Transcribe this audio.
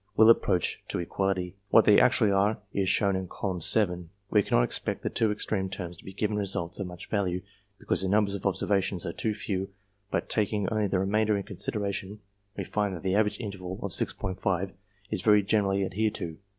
will approach to equality. What they actually are, is shown in Column VII. We cannot expect the two extreme terms to give results of much value, because the numbers of observations are too few; but taking only the remainder into consideration, we find that the average interval of 6'5 is very generally adhered to.